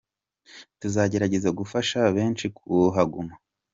Tuzagerageza gufasha benshi kuhaguma.